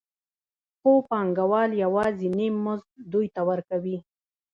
خو پانګوال یوازې نیم مزد دوی ته ورکوي